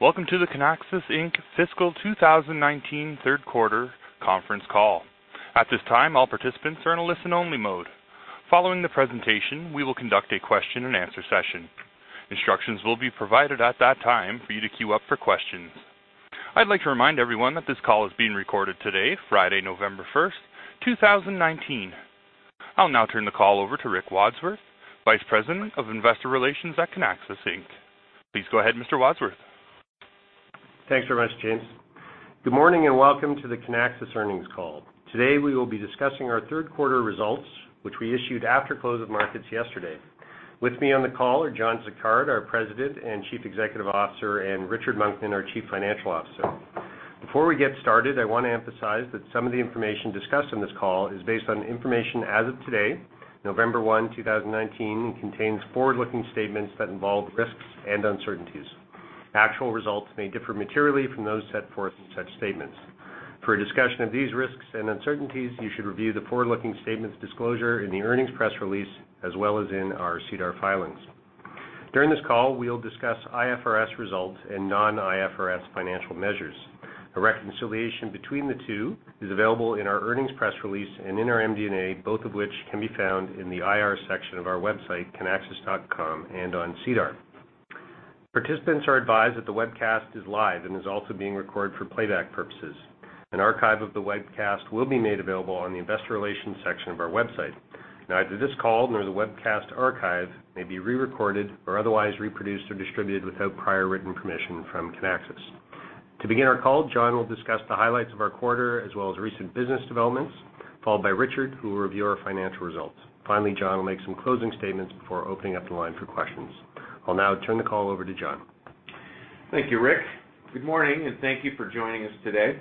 Welcome to the Kinaxis Inc. fiscal 2019 third quarter conference call. At this time, all participants are in a listen-only mode. Following the presentation, we will conduct a question and answer session. Instructions will be provided at that time for you to queue up for questions. I'd like to remind everyone that this call is being recorded today, Friday, November 1st, 2019. I'll now turn the call over to Rick Wadsworth, Vice President of Investor Relations at Kinaxis Inc. Please go ahead, Mr. Wadsworth. Thanks very much, James. Good morning, and welcome to the Kinaxis earnings call. Today, we will be discussing our third quarter results, which we issued after close of markets yesterday. With me on the call are John Sicard, our President and Chief Executive Officer, and Richard Monkman, our Chief Financial Officer. Before we get started, I want to emphasize that some of the information discussed on this call is based on information as of today, November 1, 2019, and contains forward-looking statements that involve risks and uncertainties. Actual results may differ materially from those set forth in such statements. For a discussion of these risks and uncertainties, you should review the forward-looking statements disclosure in the earnings press release, as well as in our SEDAR filings. During this call, we'll discuss IFRS results and non-IFRS financial measures. A reconciliation between the two is available in our earnings press release and in our MD&A, both of which can be found in the IR section of our website, kinaxis.com, and on SEDAR. Participants are advised that the webcast is live and is also being recorded for playback purposes. An archive of the webcast will be made available on the Investor Relations section of our website. Neither this call nor the webcast archive may be re-recorded or otherwise reproduced or distributed without prior written permission from Kinaxis. To begin our call, John will discuss the highlights of our quarter as well as recent business developments, followed by Richard, who will review our financial results. Finally, John will make some closing statements before opening up the line for questions. I'll now turn the call over to John. Thank you, Rick. Good morning, and thank you for joining us today.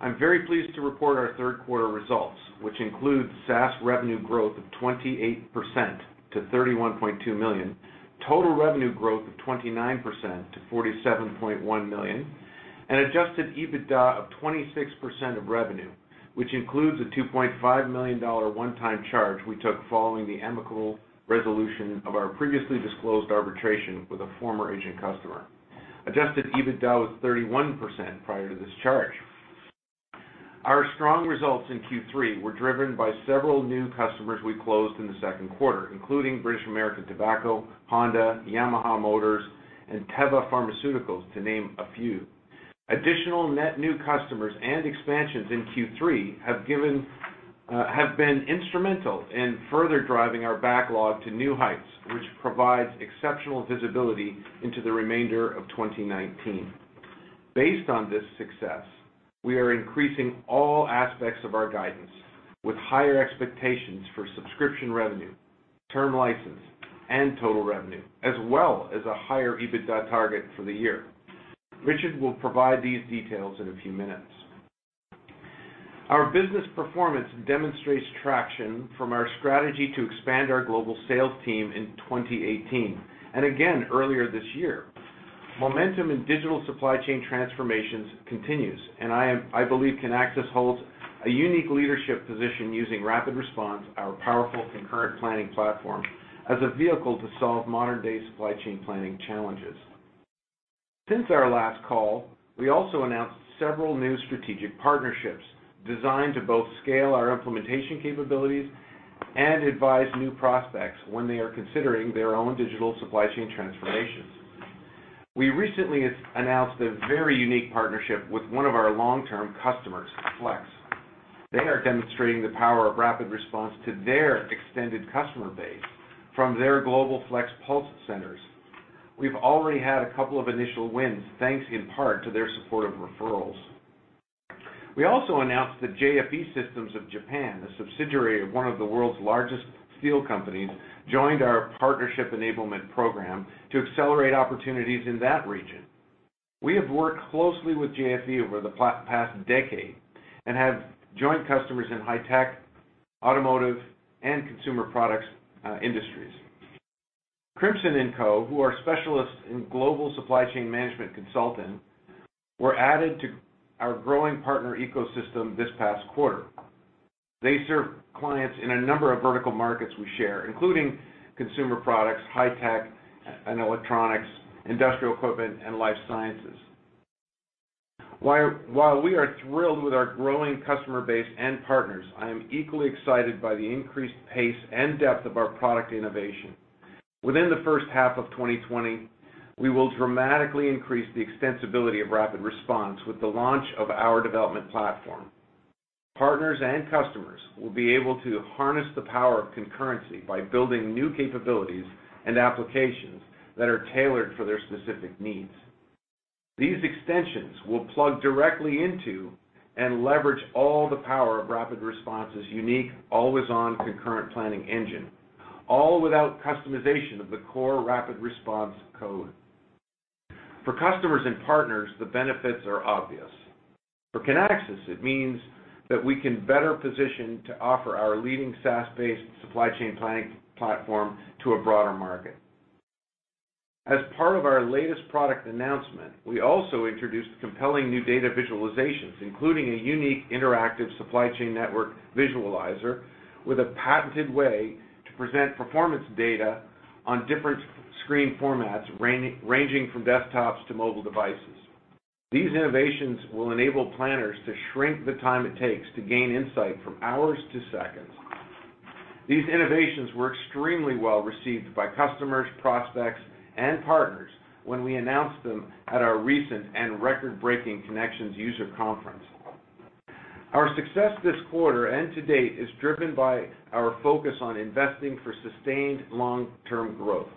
I'm very pleased to report our third quarter results, which include SaaS revenue growth of 28% to $31.2 million, total revenue growth of 29% to $47.1 million, and adjusted EBITDA of 26% of revenue, which includes a $2.5 million one-time charge we took following the amicable resolution of our previously disclosed arbitration with a former agent customer. Adjusted EBITDA was 31% prior to this charge. Our strong results in Q3 were driven by several new customers we closed in the second quarter, including British American Tobacco, Honda, Yamaha Motor, and Teva Pharmaceuticals, to name a few. Additional net new customers and expansions in Q3 have been instrumental in further driving our backlog to new heights, which provides exceptional visibility into the remainder of 2019. Based on this success, we are increasing all aspects of our guidance, with higher expectations for subscription revenue, term license, and total revenue, as well as a higher EBITDA target for the year. Richard will provide these details in a few minutes. Our business performance demonstrates traction from our strategy to expand our global sales team in 2018, and again earlier this year. Momentum in digital supply chain transformations continues, and I believe Kinaxis holds a unique leadership position using RapidResponse, our powerful concurrent planning platform, as a vehicle to solve modern-day supply chain planning challenges. Since our last call, we also announced several new strategic partnerships designed to both scale our implementation capabilities and advise new prospects when they are considering their own digital supply chain transformations. We recently announced a very unique partnership with one of our long-term customers, Flex. They are demonstrating the power of RapidResponse to their extended customer base from their global Flex Pulse centers. We've already had a couple of initial wins, thanks in part to their support of referrals. We also announced that JFE Systems of Japan, a subsidiary of one of the world's largest steel companies, joined our partnership enablement program to accelerate opportunities in that region. We have worked closely with JFE over the past decade and have joint customers in high-tech, automotive, and consumer products industries. Crimson & Co, who are specialists in global supply chain management consulting, were added to our growing partner ecosystem this past quarter. They serve clients in a number of vertical markets we share, including consumer products, high-tech and electronics, industrial equipment, and life sciences. While we are thrilled with our growing customer base and partners, I am equally excited by the increased pace and depth of our product innovation. Within the first half of 2020, we will dramatically increase the extensibility of RapidResponse with the launch of our development platform. Partners and customers will be able to harness the power of concurrency by building new capabilities and applications that are tailored for their specific needs. These extensions will plug directly into and leverage all the power of RapidResponse as a unique always-on concurrent planning engine, all without customization of the core RapidResponse code. For customers and partners, the benefits are obvious. For Kinaxis, it means that we can better position to offer our leading SaaS-based supply chain planning platform to a broader market. As part of our latest product announcement, we also introduced compelling new data visualizations, including a unique interactive supply chain network visualizer with a patented way to present performance data on different screen formats ranging from desktops to mobile devices. These innovations will enable planners to shrink the time it takes to gain insight from hours to seconds. These innovations were extremely well-received by customers, prospects, and partners when we announced them at our recent and record-breaking Kinexions user conference. Our success this quarter and to date is driven by our focus on investing for sustained long-term growth.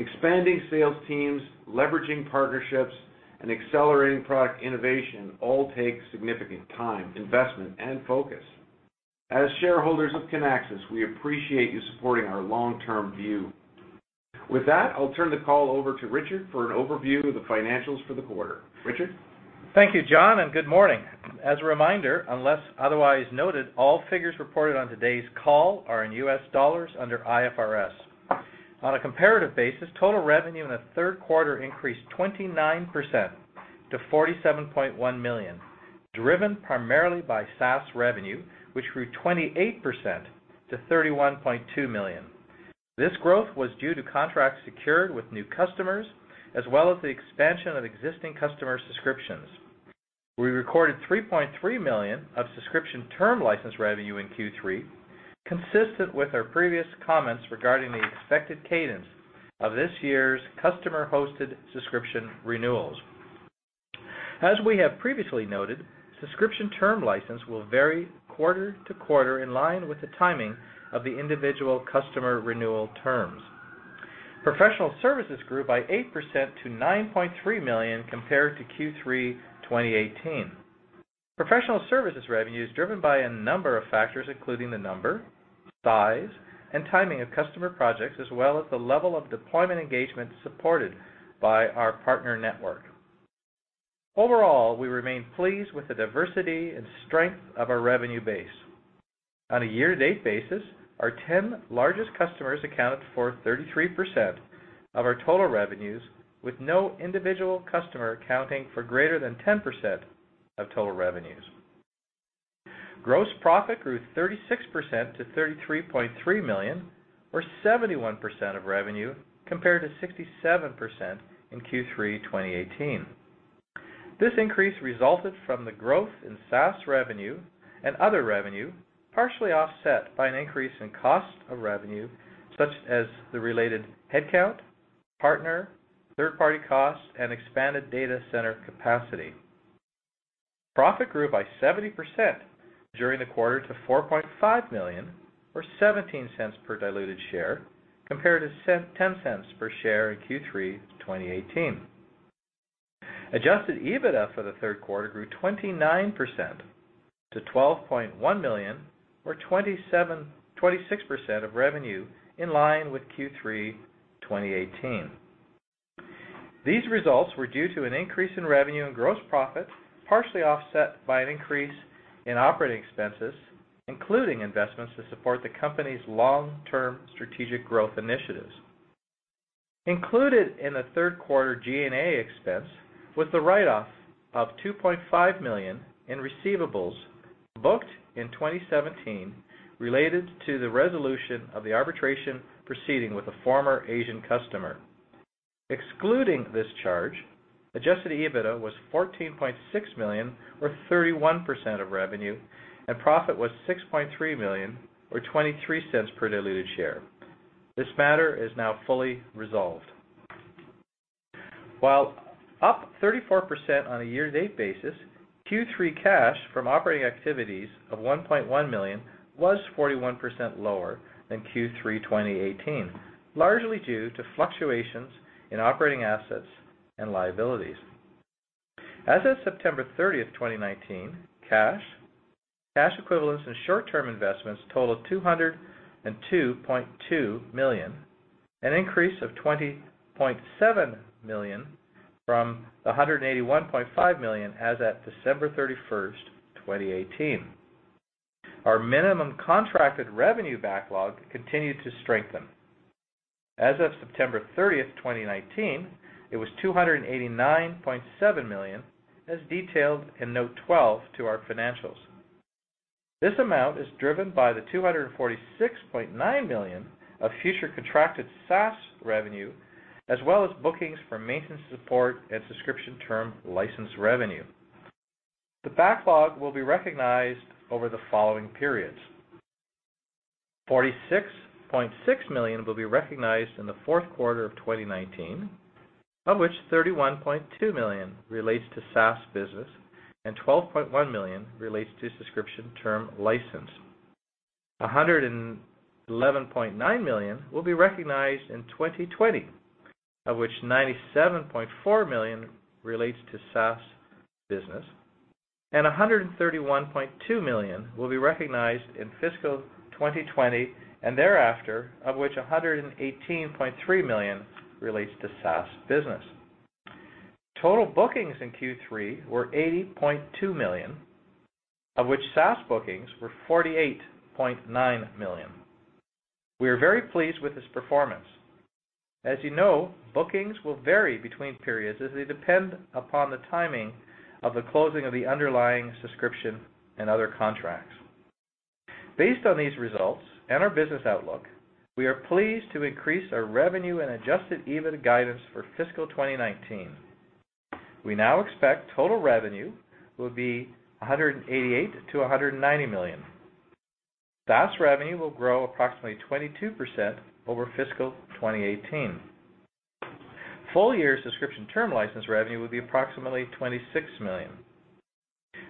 Expanding sales teams, leveraging partnerships, and accelerating product innovation all take significant time, investment, and focus. As shareholders of Kinaxis, we appreciate you supporting our long-term view. With that, I'll turn the call over to Richard for an overview of the financials for the quarter. Richard? Thank you, John. Good morning. As a reminder, unless otherwise noted, all figures reported on today's call are in US dollars under IFRS. On a comparative basis, total revenue in the third quarter increased 29% to $47.1 million, driven primarily by SaaS revenue, which grew 28% to $31.2 million. This growth was due to contracts secured with new customers, as well as the expansion of existing customer subscriptions. We recorded $3.3 million of subscription term license revenue in Q3, consistent with our previous comments regarding the expected cadence of this year's customer-hosted subscription renewals. As we have previously noted, subscription term license will vary quarter to quarter in line with the timing of the individual customer renewal terms. Professional services grew by 8% to $9.3 million compared to Q3 2018. Professional services revenue is driven by a number of factors, including the number, size, and timing of customer projects, as well as the level of deployment engagement supported by our partner network. Overall, we remain pleased with the diversity and strength of our revenue base. On a year-to-date basis, our 10 largest customers account for 33% of our total revenues, with no individual customer accounting for greater than 10% of total revenues. Gross profit grew 36% to 33.3 million or 71% of revenue, compared to 67% in Q3 2018. This increase resulted from the growth in SaaS revenue and other revenue, partially offset by an increase in cost of revenue, such as the related headcount, partner, third-party costs, and expanded data center capacity. Profit grew by 70% during the quarter to 4.5 million, or 0.17 per diluted share, compared to 0.10 per share in Q3 2018. Adjusted EBITDA for the third quarter grew 29% to $12.1 million or 26% of revenue, in line with Q3 2018. These results were due to an increase in revenue and gross profit, partially offset by an increase in operating expenses, including investments to support the company's long-term strategic growth initiatives. Included in the third quarter G&A expense was the write-off of $2.5 million in receivables booked in 2017 related to the resolution of the arbitration proceeding with a former Asian customer. Excluding this charge, adjusted EBITDA was $14.6 million, or 31% of revenue, and profit was $6.3 million, or $0.23 per diluted share. This matter is now fully resolved. While up 34% on a year-to-date basis, Q3 cash from operating activities of $1.1 million was 41% lower than Q3 2018, largely due to fluctuations in operating assets and liabilities. As of September 30th, 2019, cash equivalents, and short-term investments totaled 202.2 million, an increase of 20.7 million from 181.5 million as at December 31st, 2018. Our minimum contracted revenue backlog continued to strengthen. As of September 30th, 2019, it was 289.7 million, as detailed in Note 12 to our financials. This amount is driven by the 246.9 million of future contracted SaaS revenue, as well as bookings for maintenance support and subscription term license revenue. The backlog will be recognized over the following periods. 46.6 million will be recognized in the fourth quarter of 2019, of which 31.2 million relates to SaaS business and 12.1 million relates to subscription term license. 111.9 million will be recognized in 2020, of which 97.4 million relates to SaaS business, and 131.2 million will be recognized in fiscal 2020 and thereafter, of which 118.3 million relates to SaaS business. Total bookings in Q3 were $80.2 million, of which SaaS bookings were $48.9 million. We are very pleased with this performance. As you know, bookings will vary between periods as they depend upon the timing of the closing of the underlying subscription and other contracts. Based on these results and our business outlook, we are pleased to increase our revenue and adjusted EBITDA guidance for fiscal 2019. We now expect total revenue will be $188 million-$190 million. SaaS revenue will grow approximately 22% over fiscal 2018. Full year subscription term license revenue will be approximately $26 million.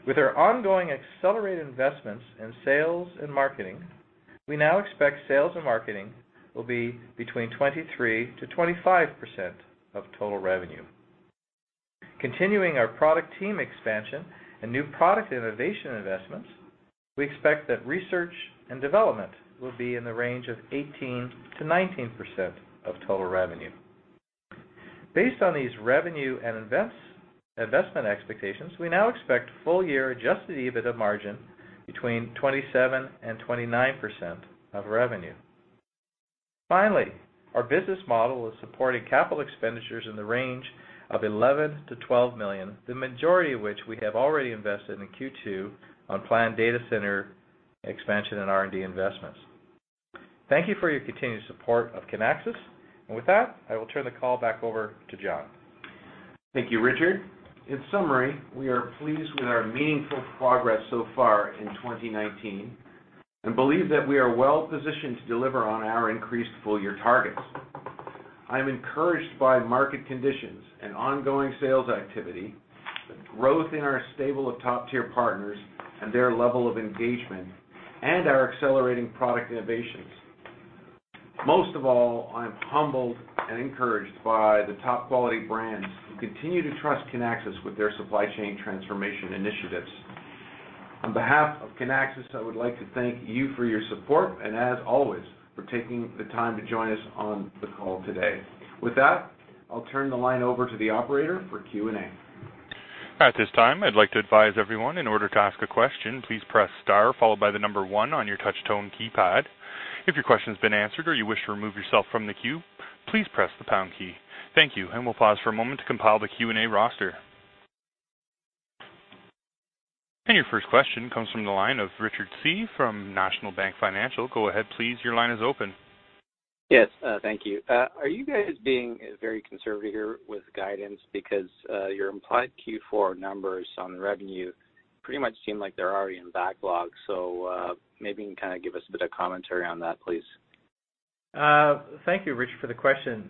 With our ongoing accelerated investments in sales and marketing, we now expect sales and marketing will be between 23%-25% of total revenue. Continuing our product team expansion and new product innovation investments, we expect that research and development will be in the range of 18%-19% of total revenue. Based on these revenue and investment expectations, we now expect full year adjusted EBITDA margin between 27%-29% of revenue. Our business model is supporting capital expenditures in the range of $11 million-$12 million, the majority of which we have already invested in Q2 on planned data center expansion and R&D investments. Thank you for your continued support of Kinaxis. With that, I will turn the call back over to John. Thank you, Richard. In summary, we are pleased with our meaningful progress so far in 2019 and believe that we are well positioned to deliver on our increased full-year targets. I'm encouraged by market conditions and ongoing sales activity, the growth in our stable of top-tier partners and their level of engagement, and our accelerating product innovations. Most of all, I am humbled and encouraged by the top-quality brands who continue to trust Kinaxis with their supply chain transformation initiatives. On behalf of Kinaxis, I would like to thank you for your support, and as always, for taking the time to join us on the call today. With that, I'll turn the line over to the operator for Q&A. At this time, I'd like to advise everyone, in order to ask a question, please press star followed by one on your touch tone keypad. If your question's been answered or you wish to remove yourself from the queue, please press the pound key. Thank you. We'll pause for a moment to compile the Q&A roster. Your first question comes from the line of Richard Tse from National Bank Financial. Go ahead, please. Your line is open. Yes, thank you. Are you guys being very conservative here with guidance? Your implied Q4 numbers on revenue pretty much seem like they're already in backlog. Maybe you can kind of give us a bit of commentary on that, please. Thank you, Richard, for the question.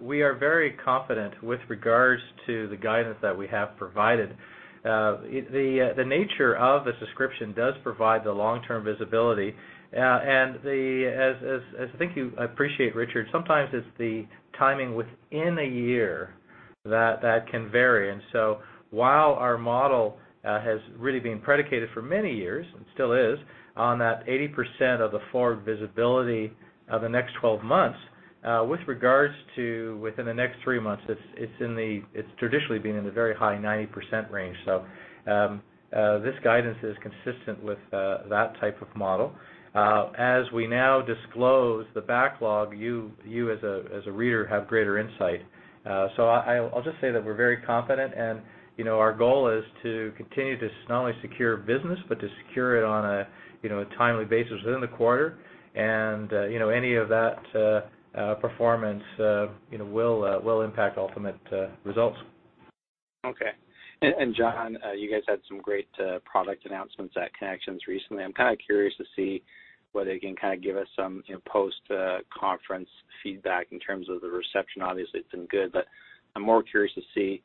We are very confident with regards to the guidance that we have provided. The nature of the subscription does provide the long-term visibility. As I think you appreciate, Richard, sometimes it's the timing within a year that can vary. While our model has really been predicated for many years, and still is, on that 80% of the forward visibility of the next 12 months, with regards to within the next three months, it's traditionally been in the very high, 90% range. This guidance is consistent with that type of model. As we now disclose the backlog, you as a reader have greater insight. I'll just say that we're very confident and our goal is to continue to not only secure business, but to secure it on a timely basis within the quarter. Any of that performance will impact ultimate results. Okay. John, you guys had some great product announcements at Kinexions recently. I'm kind of curious to see whether you can kind of give us some post-conference feedback in terms of the reception. Obviously, it's been good, but I'm more curious to see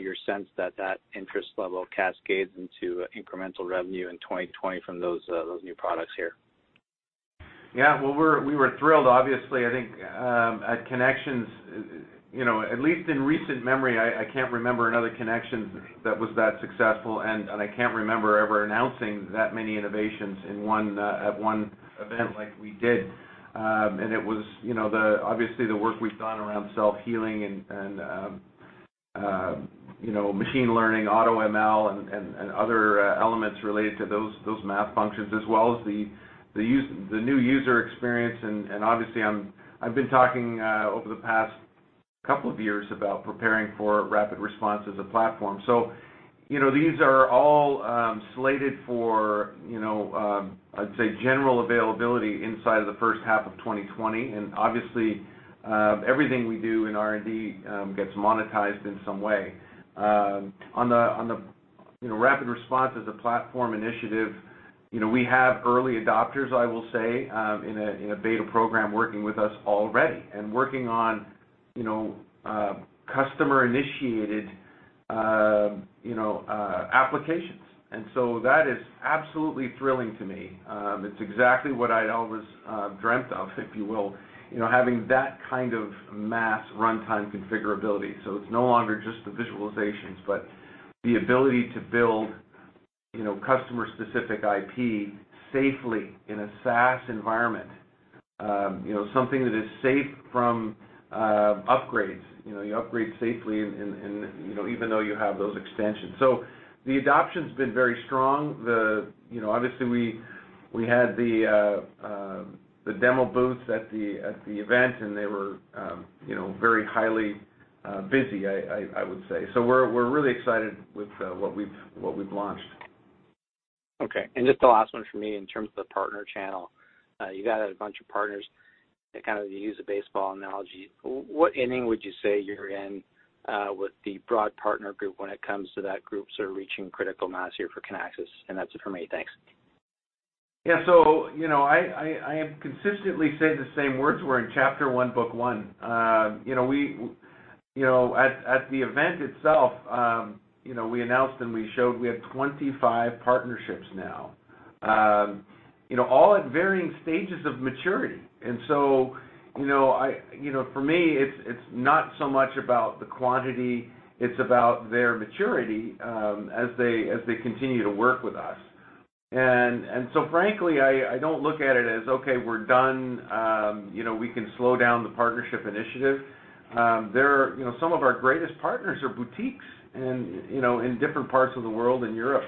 your sense that that interest level cascades into incremental revenue in 2020 from those new products here. Yeah. Well, we were thrilled, obviously. I think at Kinexions, at least in recent memory, I can't remember another Kinexions that was that successful, and I can't remember ever announcing that many innovations at one event like we did. It was obviously the work we've done around self-healing and machine learning, AutoML, and other elements related to those math functions, as well as the new user experience. Obviously, I've been talking over the past couple of years about preparing for RapidResponse as a platform. These are all slated for, I'd say, General Availability inside of the first half of 2020. Obviously, everything we do in R&D gets monetized in some way. On the RapidResponse as a platform initiative, we have early adopters, I will say, in a beta program working with us already, and working on customer-initiated applications. That is absolutely thrilling to me. It's exactly what I'd always dreamt of, if you will, having that kind of mass runtime configurability. It's no longer just the visualizations, but the ability to build customer-specific IP safely in a SaaS environment. Something that is safe from upgrades. You upgrade safely even though you have those extensions. The adoption's been very strong. Obviously, we had the demo booths at the event, and they were very highly busy, I would say. We're really excited with what we've launched. Okay. Just the last one from me in terms of the partner channel. You got a bunch of partners that kind of use a baseball analogy. What inning would you say you're in with the broad partner group when it comes to that group sort of reaching critical mass here for Kinaxis? That's it from me. Thanks. I am consistently saying the same words. We're in chapter one, book one. At the event itself, we announced and we showed we have 25 partnerships now. All at varying stages of maturity. For me, it's not so much about the quantity, it's about their maturity, as they continue to work with us. Frankly, I don't look at it as, okay, we're done, we can slow down the partnership initiative. Some of our greatest partners are boutiques in different parts of the world, in Europe.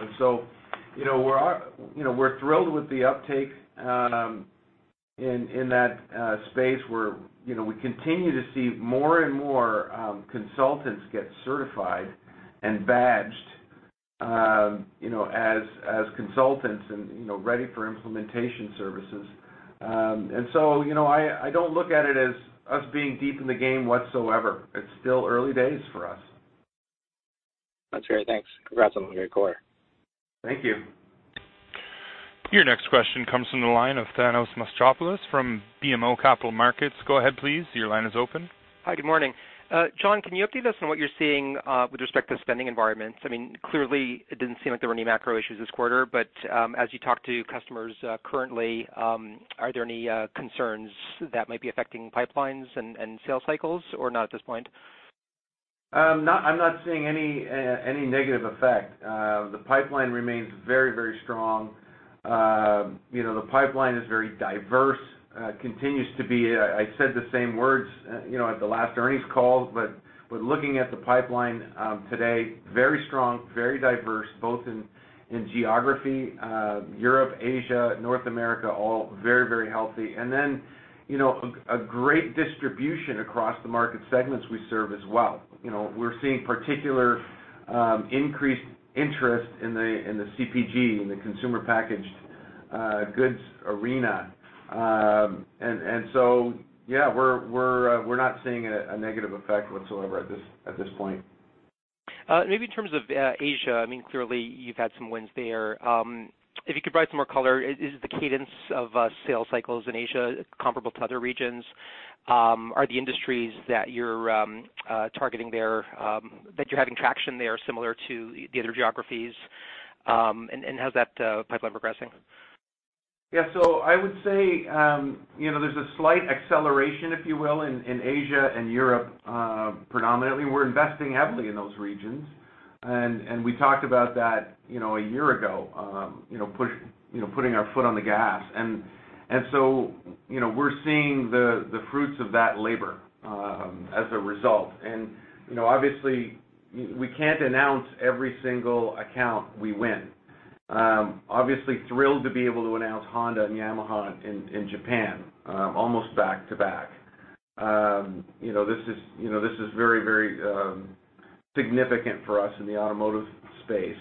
We're thrilled with the uptake in that space where we continue to see more and more consultants get certified and badged as consultants and ready for implementation services. I don't look at it as us being deep in the game whatsoever. It's still early days for us. That's great. Thanks. Congrats on a great quarter. Thank you. Your next question comes from the line of Thanos Moschopoulos from BMO Capital Markets. Go ahead, please. Your line is open. Hi. Good morning. John, can you update us on what you're seeing with respect to spending environments? Clearly it didn't seem like there were any macro issues this quarter, but, as you talk to customers currently, are there any concerns that might be affecting pipelines and sales cycles or not at this point? I'm not seeing any negative effect. The pipeline remains very, very strong. The pipeline is very diverse, continues to be. I said the same words at the last earnings call, Looking at the pipeline today, very strong, very diverse, both in geography, Europe, Asia, North America, all very, very healthy. A great distribution across the market segments we serve as well. We're seeing particular increased interest in the CPG, in the consumer packaged goods arena. Yeah, we're not seeing a negative effect whatsoever at this point. Maybe in terms of Asia, clearly you've had some wins there. If you could provide some more color, is the cadence of sales cycles in Asia comparable to other regions? Are the industries that you're targeting there, that you're having traction there similar to the other geographies? How's that pipeline progressing? Yeah. I would say, there's a slight acceleration, if you will, in Asia and Europe, predominantly. We're investing heavily in those regions. We talked about that a year ago, putting our foot on the gas. We're seeing the fruits of that labor as a result. Obviously, we can't announce every single account we win. Obviously thrilled to be able to announce Honda and Yamaha in Japan, almost back to back. This is very significant for us in the automotive space,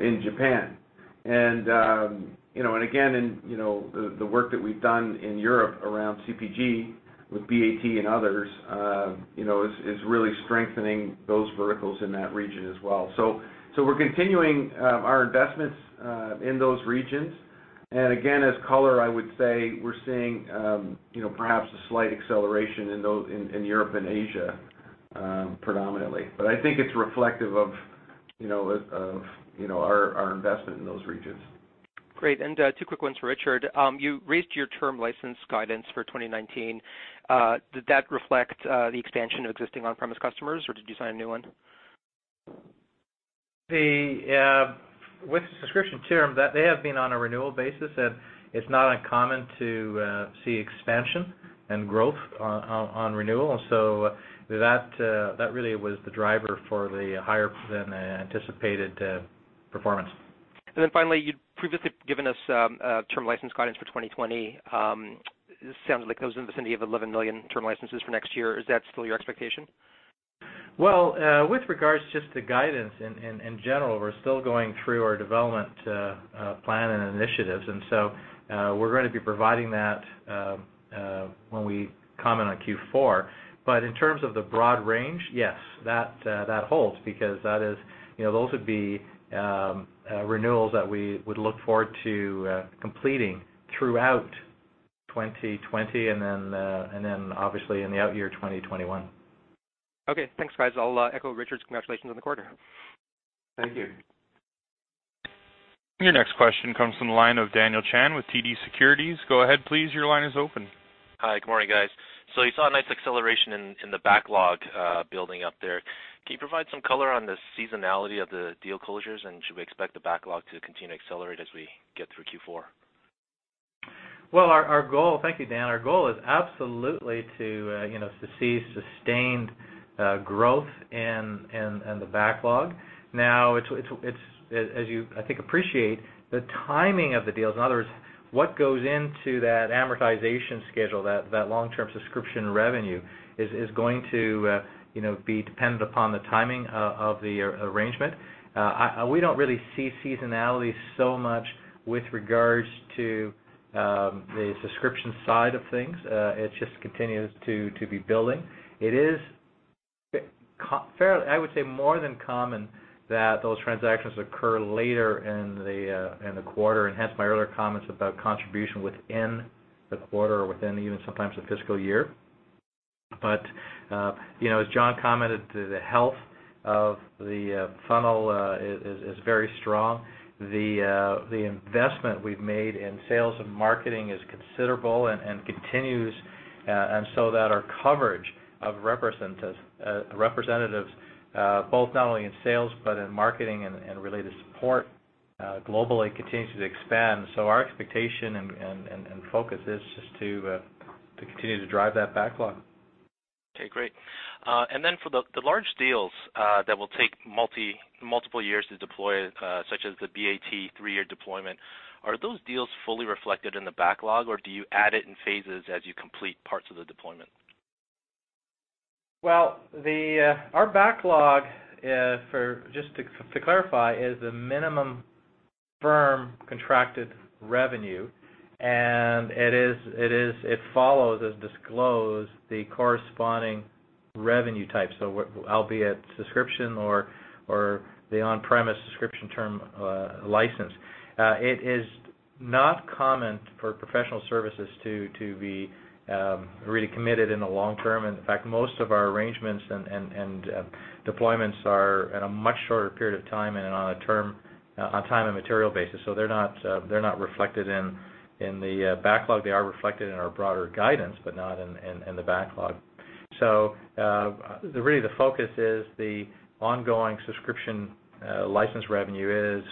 in Japan. Again, the work that we've done in Europe around CPG with BAT and others, is really strengthening those verticals in that region as well. We're continuing our investments in those regions. Again, as color, I would say we're seeing perhaps a slight acceleration in Europe and Asia, predominantly. I think it's reflective of our investment in those regions. Great. Two quick ones for Richard. You raised your term license guidance for 2019. Did that reflect the expansion of existing on-premise customers, or did you sign a new one? With the subscription term, they have been on a renewal basis, and it's not uncommon to see expansion and growth on renewal. That really was the driver for the higher than anticipated performance. Finally, you'd previously given us term license guidance for 2020. It sounds like it was in the vicinity of 11 million term licenses for next year. Is that still your expectation? Well, with regards just to guidance in general, we're still going through our development plan and initiatives. We're going to be providing that when we comment on Q4. In terms of the broad range, yes, that holds because those would be renewals that we would look forward to completing throughout 2020 and then, obviously in the out year 2021. Okay, thanks guys. I'll echo Richard's congratulations on the quarter. Thank you. Your next question comes from the line of Daniel Chan with TD Securities. Go ahead, please. Your line is open. Hi. Good morning, guys. You saw a nice acceleration in the backlog building up there. Can you provide some color on the seasonality of the deal closures, and should we expect the backlog to continue to accelerate as we get through Q4? Well, thank you, Dan. Our goal is absolutely to see sustained growth in the backlog. As you, I think, appreciate the timing of the deals. In other words, what goes into that amortization schedule, that long-term subscription revenue, is going to be dependent upon the timing of the arrangement. We don't really see seasonality so much with regards to the subscription side of things. It just continues to be building. It is, I would say, more than common that those transactions occur later in the quarter, hence my earlier comments about contribution within the quarter or within even sometimes the fiscal year. As John commented, the health of the funnel is very strong. The investment we've made in sales and marketing is considerable and continues, that our coverage of representatives both not only in sales but in marketing and related support globally continues to expand. Our expectation and focus is just to continue to drive that backlog. Okay, great. Then for the large deals that will take multiple years to deploy, such as the BAT three-year deployment, are those deals fully reflected in the backlog, or do you add it in phases as you complete parts of the deployment? Our backlog, just to clarify, is the minimum firm contracted revenue, and it follows, as disclosed, the corresponding revenue type, so albeit subscription or the on-premise subscription term license. It is not common for professional services to be really committed in the long term. In fact, most of our arrangements and deployments are in a much shorter period of time and on a time and material basis. They're not reflected in the backlog. They are reflected in our broader guidance, but not in the backlog. Really the focus is the ongoing subscription license revenue is,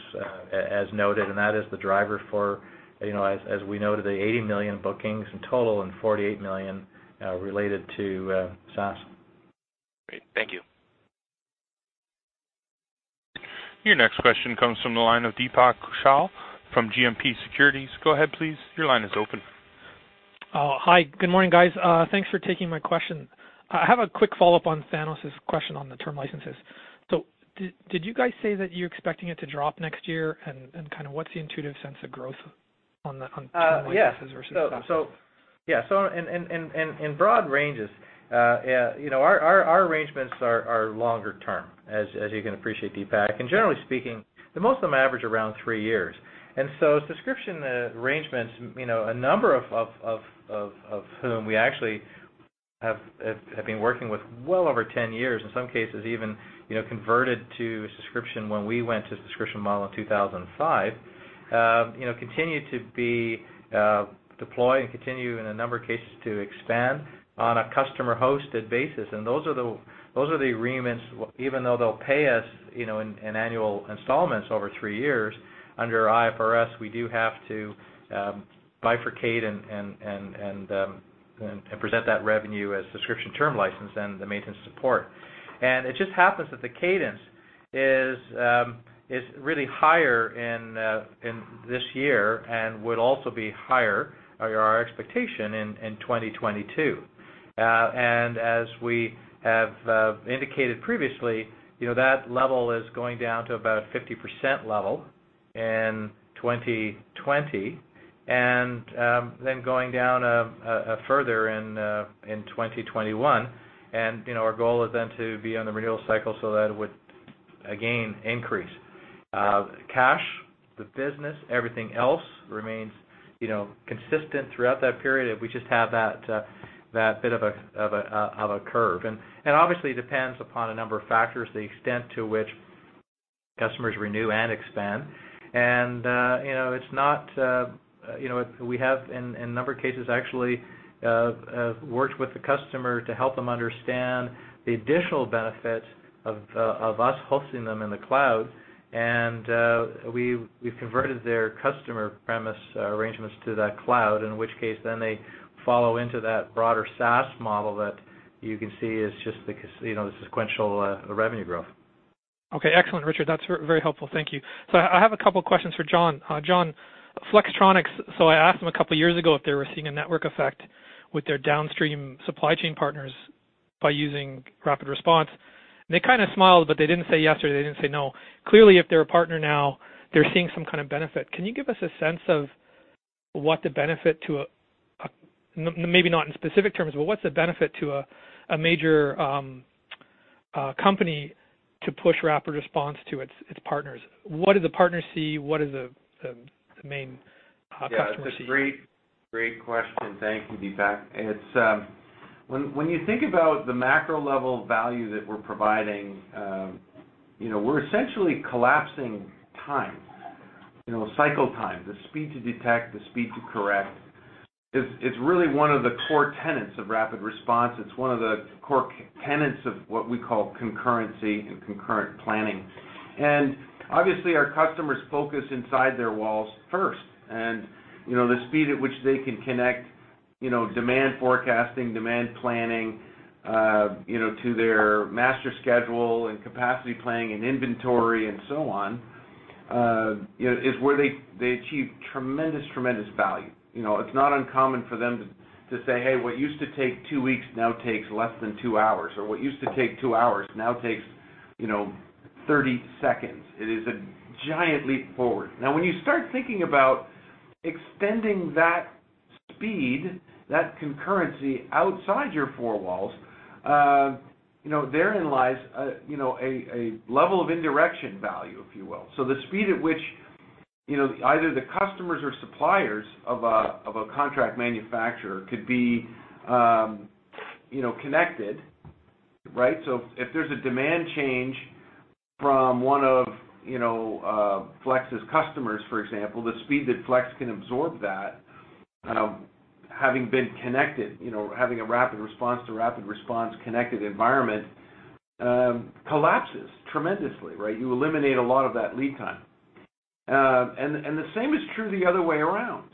as noted, and that is the driver for, as we noted, the $80 million bookings in total and $48 million related to SaaS. Great. Thank you. Your next question comes from the line of Deepak Kaushal from GMP Securities. Go ahead, please. Your line is open. Hi. Good morning, guys. Thanks for taking my question. I have a quick follow-up on Thanos' question on the term licenses. Did you guys say that you're expecting it to drop next year, and kind of what's the intuitive sense of growth on term licenses versus SaaS? In broad ranges, our arrangements are longer term, as you can appreciate, Deepak, and generally speaking, most of them average around three years. Subscription arrangements, a number of whom we actually have been working with well over 10 years, in some cases even converted to subscription when we went to the subscription model in 2005, continue to be deployed and continue in a number of cases to expand on a customer-hosted basis. Those are the agreements, even though they'll pay us in annual installments over three years, under IFRS, we do have to bifurcate and present that revenue as subscription term license and the maintenance support. It just happens that the cadence is really higher in this year and would also be higher, or our expectation, in 2022. As we have indicated previously, that level is going down to about 50% level in 2020, and then going down further in 2021. Our goal is then to be on the renewal cycle so that it would again increase. Cash, the business, everything else remains consistent throughout that period. We just have that bit of a curve. Obviously, it depends upon a number of factors, the extent to which customers renew and expand. We have, in a number of cases, actually worked with the customer to help them understand the additional benefit of us hosting them in the cloud. We've converted their customer premise arrangements to that cloud, in which case then they follow into that broader SaaS model that you can see is just the sequential revenue growth. Okay. Excellent, Richard. That's very helpful. Thank you. I have a couple questions for John. John, Flextronics, I asked them a couple of years ago if they were seeing a network effect with their downstream supply chain partners by using RapidResponse, and they kind of smiled, but they didn't say yes or they didn't say no. Clearly, if they're a partner now, they're seeing some kind of benefit. Can you give us a sense of what the benefit to a, maybe not in specific terms, but what's the benefit to a major company to push RapidResponse to its partners? What do the partners see? What is the main customer see? Yeah. It's a great question. Thank you, Deepak. When you think about the macro level value that we're providing, we're essentially collapsing time, cycle time, the speed to detect, the speed to correct. It's really one of the core tenets of RapidResponse. It's one of the core tenets of what we call concurrency and concurrent planning. Obviously, our customers focus inside their walls first. The speed at which they can connect demand forecasting, demand planning to their master schedule and capacity planning and inventory and so on, is where they achieve tremendous value. It's not uncommon for them to say, "Hey, what used to take two weeks now takes less than two hours," or, "What used to take two hours now takes 30 seconds." It is a giant leap forward. When you start thinking about extending that speed, that concurrency outside your four walls, therein lies a level of indirection value, if you will. The speed at which either the customers or suppliers of a contract manufacturer could be connected. If there's a demand change from one of Flex's customers, for example, the speed that Flex can absorb that, having been connected, having a RapidResponse to RapidResponse connected environment, collapses tremendously. You eliminate a lot of that lead time. The same is true the other way around.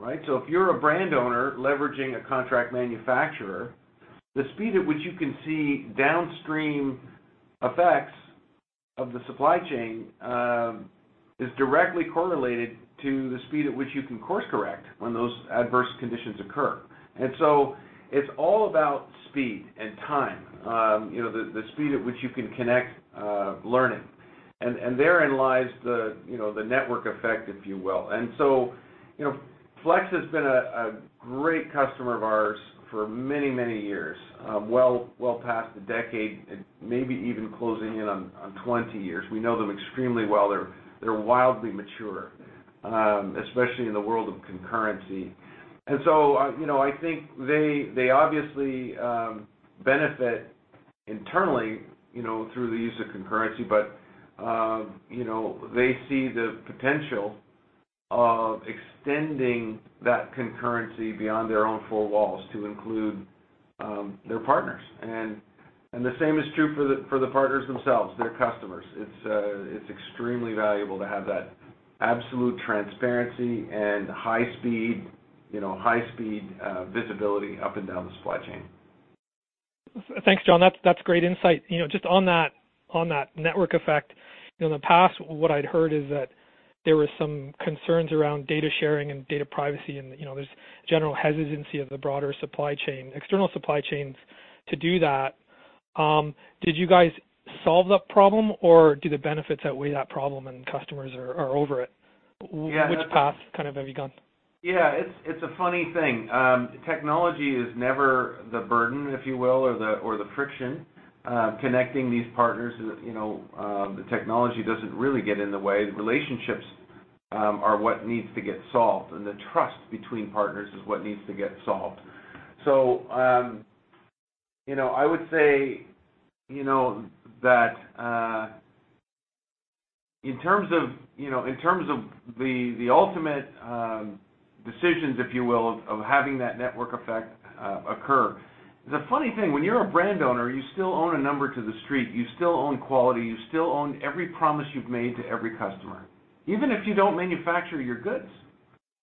If you're a brand owner leveraging a contract manufacturer, the speed at which you can see downstream effects of the supply chain is directly correlated to the speed at which you can course correct when those adverse conditions occur. It's all about speed and time. The speed at which you can connect learning. Therein lies the network effect, if you will. Flex has been a great customer of ours for many years, well past a decade, and maybe even closing in on 20 years. We know them extremely well. They're wildly mature, especially in the world of concurrency. I think they obviously benefit internally through the use of concurrency, but they see the potential of extending that concurrency beyond their own four walls to include their partners. The same is true for the partners themselves, their customers. It's extremely valuable to have that absolute transparency and high speed visibility up and down the supply chain. Thanks, John. That's great insight. Just on that network effect, in the past, what I'd heard is that there was some concerns around data sharing and data privacy, and there's general hesitancy of the broader supply chain, external supply chains to do that. Did you guys solve that problem, or do the benefits outweigh that problem and customers are over it? Yeah. Which path kind of have you gone? Yeah. It's a funny thing. Technology is never the burden, if you will, or the friction. Connecting these partners, the technology doesn't really get in the way. The relationships are what needs to get solved, and the trust between partners is what needs to get solved. I would say that in terms of the ultimate decisions, if you will, of having that network effect occur, it's a funny thing. When you're a brand owner, you still own a number to the street. You still own quality. You still own every promise you've made to every customer. Even if you don't manufacture your goods,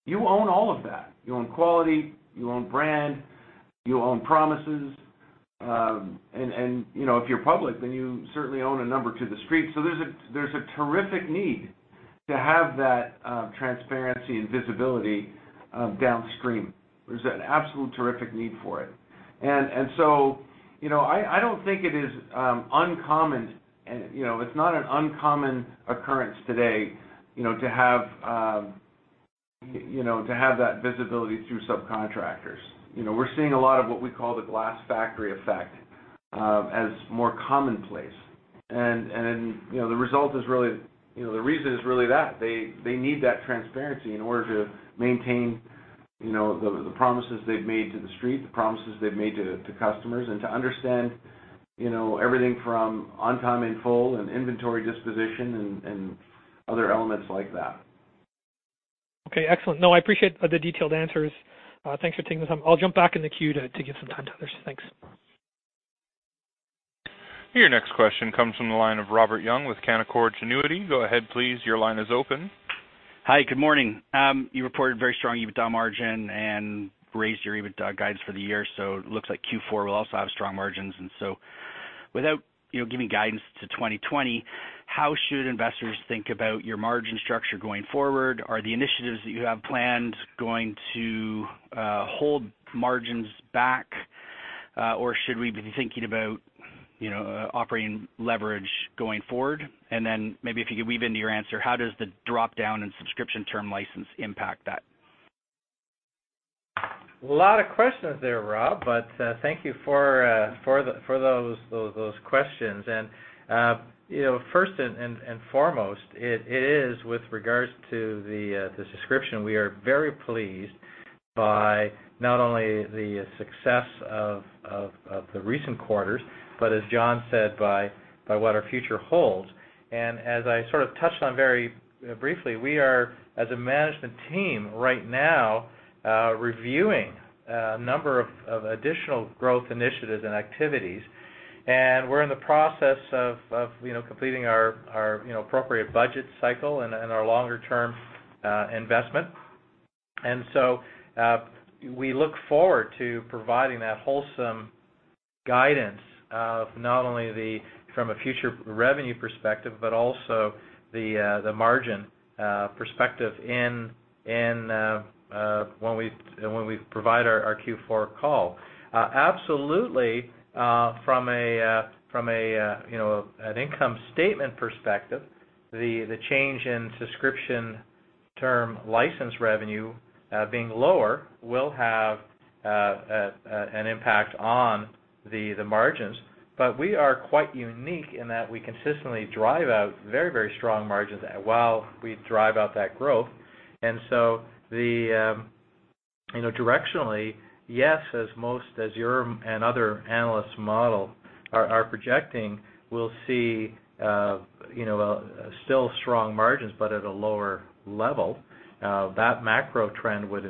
you own all of that. You own quality. You own brand. You own promises. If you're public, then you certainly own a number to the street. There's a terrific need to have that transparency and visibility downstream. There's an absolute terrific need for it. I don't think it is uncommon, and it's not an uncommon occurrence today, to have that visibility through subcontractors. We're seeing a lot of what we call the glass factory effect as more commonplace. The reason is really that. They need that transparency in order to maintain the promises they've made to the street, the promises they've made to customers, and to understand everything from on time, in full, and inventory disposition, and other elements like that. Okay, excellent. No, I appreciate the detailed answers. Thanks for taking the time. I'll jump back in the queue to give some time to others. Thanks. Your next question comes from the line of Robert Young with Canaccord Genuity. Go ahead, please. Your line is open. Hi, good morning. You reported very strong EBITDA margin and raised your EBITDA guidance for the year, so it looks like Q4 will also have strong margins. Without giving guidance to 2020, how should investors think about your margin structure going forward? Are the initiatives that you have planned going to hold margins back? Or should we be thinking about operating leverage going forward? Then maybe if you could weave into your answer, how does the drop-down and subscription term license impact that? A lot of questions there, Rob, but thank you for those questions. First and foremost, it is with regards to the subscription. We are very pleased by. Not only the success of the recent quarters, but as John said, by what our future holds. As I sort of touched on very briefly, we are, as a management team right now, reviewing a number of additional growth initiatives and activities. We're in the process of completing our appropriate budget cycle and our longer-term investment. We look forward to providing that wholesome guidance of not only from a future revenue perspective, but also the margin perspective when we provide our Q4 call. Absolutely, from an income statement perspective, the change in subscription term license revenue being lower will have an impact on the margins. We are quite unique in that we consistently drive out very strong margins while we drive out that growth. Directionally, yes, as your and other analysts model are projecting, we'll see still strong margins, but at a lower level. That macro trend would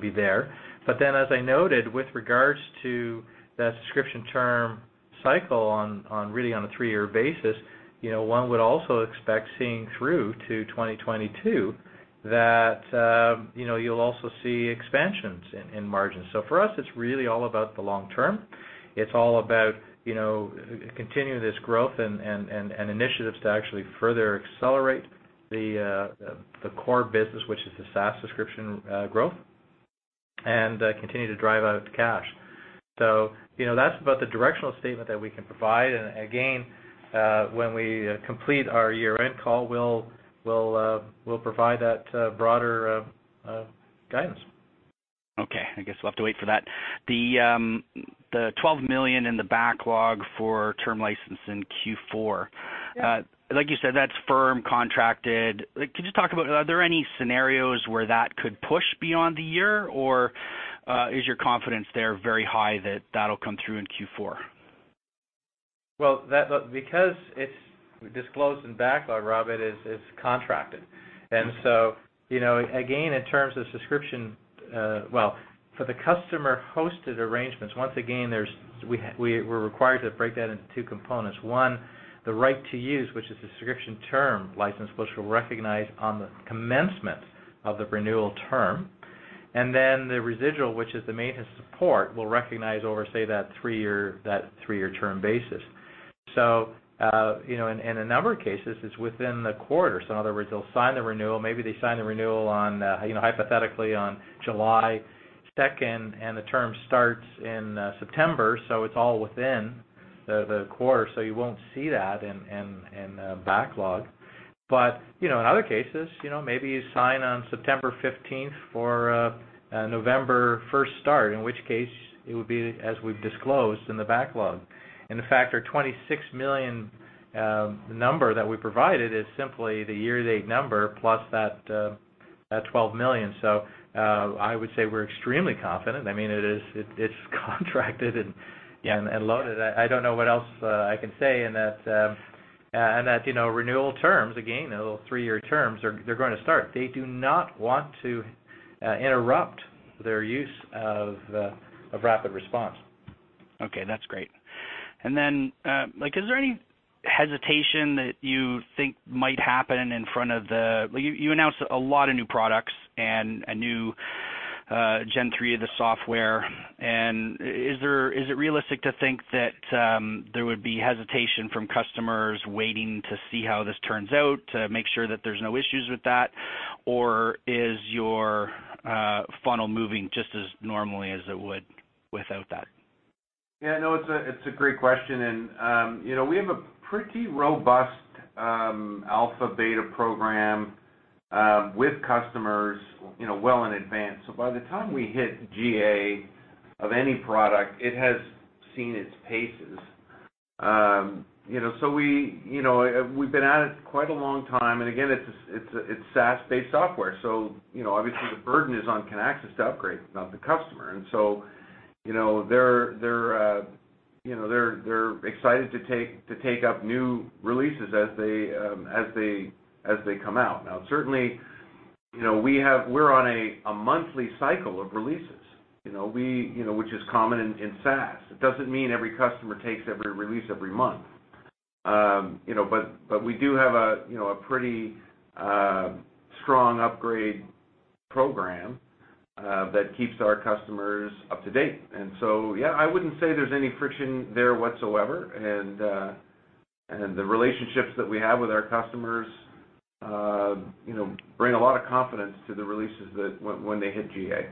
be there. As I noted, with regards to that subscription term cycle on really on a three-year basis, one would also expect seeing through to 2022 that you'll also see expansions in margins. For us, it's really all about the long term. It's all about continuing this growth and initiatives to actually further accelerate the core business, which is the SaaS subscription growth, and continue to drive out cash. That's about the directional statement that we can provide. Again, when we complete our year-end call, we'll provide that broader guidance. Okay. I guess we'll have to wait for that. The $12 million in the backlog for term license in Q4. Yeah. Like you said, that's firm contracted. Are there any scenarios where that could push beyond the year or is your confidence there very high that that'll come through in Q4? Well, because it's disclosed in backlog, Rob, it is contracted. Again, Well, for the customer-hosted arrangements, once again, we're required to break that into two components. One, the right to use, which is the subscription term license, which we'll recognize on the commencement of the renewal term. The residual, which is the maintenance support, we'll recognize over, say, that three-year term basis. In a number of cases, it's within the quarter. In other words, they'll sign the renewal, maybe they sign the renewal hypothetically on July 2nd, and the term starts in September, so it's all within the quarter, so you won't see that in backlog. In other cases, maybe you sign on September 15th for a November 1st start, in which case it would be, as we've disclosed, in the backlog. In fact, our 26 million number that we provided is simply the year-to-date number plus that 12 million. I would say we're extremely confident. I mean, it's contracted and loaded. I don't know what else I can say in that renewal terms, again, those three-year terms, they're going to start. They do not want to interrupt their use of RapidResponse. Okay, that's great. Is there any hesitation that you think might happen? You announced a lot of new products and a new Gen3 of the software. Is it realistic to think that there would be hesitation from customers waiting to see how this turns out to make sure that there's no issues with that? Is your funnel moving just as normally as it would without that? Yeah, no, it's a great question. We have a pretty robust alpha/beta program with customers well in advance. By the time we hit GA of any product, it has seen its paces. We've been at it quite a long time. Again, it's SaaS-based software. Obviously the burden is on Kinaxis to upgrade, not the customer. They're excited to take up new releases as they come out. Now, certainly, we're on a monthly cycle of releases, which is common in SaaS. It doesn't mean every customer takes every release every month. We do have a pretty strong upgrade program that keeps our customers up to date. Yeah, I wouldn't say there's any friction there whatsoever. The relationships that we have with our customers bring a lot of confidence to the releases when they hit GA.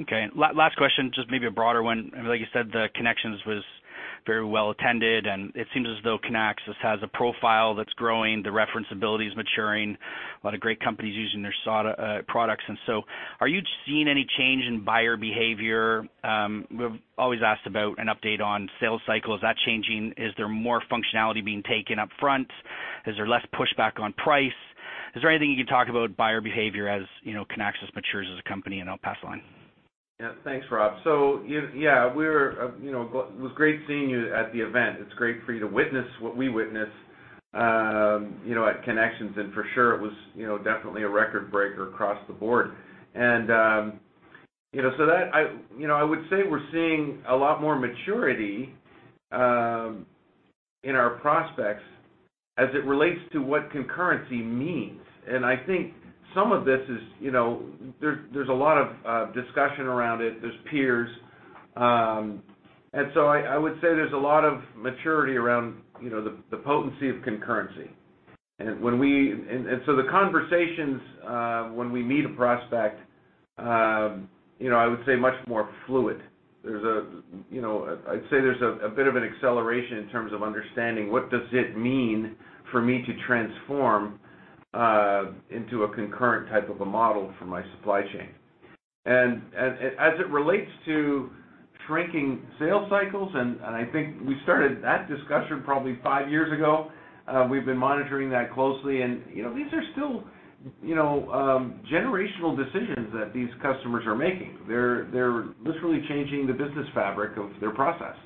Okay. Last question, just maybe a broader one. Like you said, the Kinexions was very well attended, and it seems as though Kinaxis has a profile that's growing, the reference ability is maturing. A lot of great companies using their products. Are you seeing any change in buyer behavior? We've always asked about an update on sales cycle. Is that changing? Is there more functionality being taken up front? Is there less pushback on price? Is there anything you can talk about buyer behavior as Kinaxis matures as a company? I'll pass the line. Yeah. Thanks, Rob. It was great seeing you at the event. It's great for you to witness what we witnessed at Kinexions. For sure, it was definitely a record-breaker across the board. I would say we're seeing a lot more maturity in our prospects as it relates to what concurrency means. I think some of this is, there's a lot of discussion around it. There's peers. I would say there's a lot of maturity around the potency of concurrency. The conversations, when we meet a prospect, I would say much more fluid. I'd say there's a bit of an acceleration in terms of understanding what does it mean for me to transform into a concurrent type of a model for my supply chain. As it relates to shrinking sales cycles, and I think we started that discussion probably five years ago. We've been monitoring that closely. These are still generational decisions that these customers are making. They're literally changing the business fabric of their process.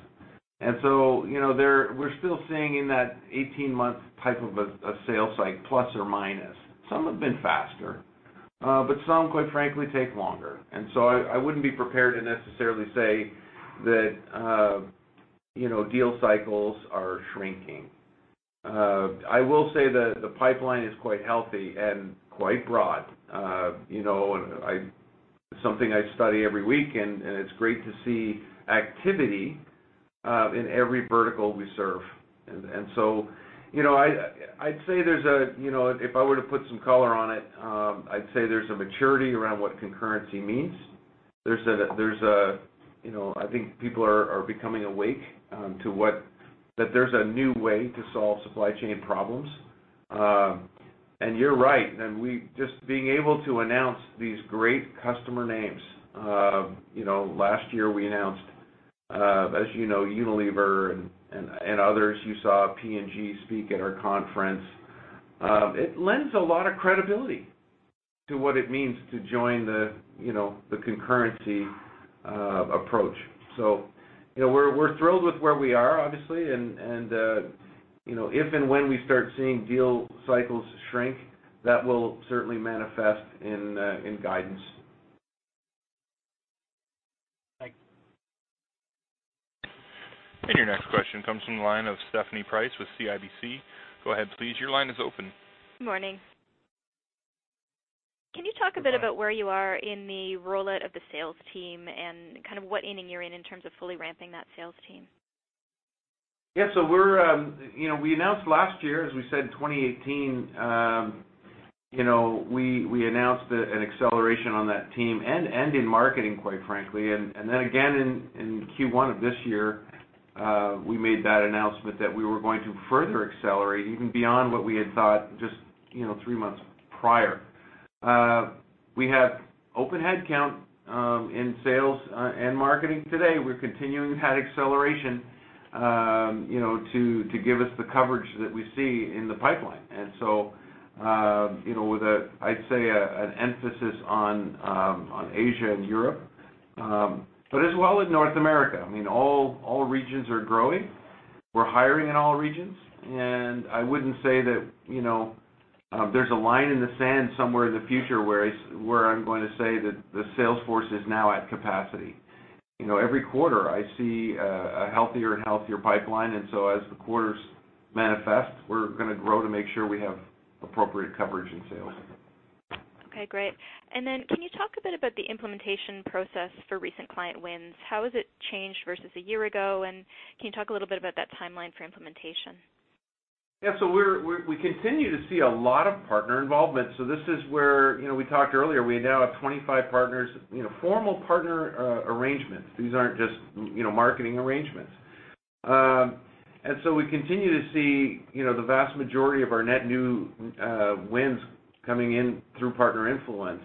We're still seeing in that 18-month type of a sales cycle, plus or minus. Some have been faster. Some, quite frankly, take longer. I wouldn't be prepared to necessarily say that deal cycles are shrinking. I will say the pipeline is quite healthy and quite broad. It's something I study every week, and it's great to see activity in every vertical we serve. If I were to put some color on it, I'd say there's a maturity around what concurrency means. I think people are becoming awake to that there's a new way to solve supply chain problems. You're right. Just being able to announce these great customer names. Last year we announced, as you know, Unilever and others. You saw P&G speak at our conference. It lends a lot of credibility to what it means to join the concurrency approach. We're thrilled with where we are, obviously. If and when we start seeing deal cycles shrink, that will certainly manifest in guidance. Thanks. Your next question comes from the line of Stephanie Price with CIBC. Go ahead, please. Your line is open. Good morning. Can you talk a bit about where you are in the rollout of the sales team and kind of what inning you're in terms of fully ramping that sales team? Yeah. We announced last year, as we said, 2018, we announced an acceleration on that team and in marketing, quite frankly. Again, in Q1 of this year, we made that announcement that we were going to further accelerate even beyond what we had thought just three months prior. We have open headcount in sales and marketing today. We're continuing that acceleration to give us the coverage that we see in the pipeline. With, I'd say, an emphasis on Asia and Europe, but as well in North America. All regions are growing. We're hiring in all regions, and I wouldn't say that there's a line in the sand somewhere in the future where I'm going to say that the sales force is now at capacity. Every quarter, I see a healthier and healthier pipeline, and so as the quarters manifest, we're going to grow to make sure we have appropriate coverage in sales. Okay, great. Can you talk a bit about the implementation process for recent client wins? How has it changed versus a year ago, and can you talk a little bit about that timeline for implementation? Yeah. We continue to see a lot of partner involvement. This is where we talked earlier. We now have 25 partners, formal partner arrangements. These aren't just marketing arrangements. We continue to see the vast majority of our net new wins coming in through partner influence.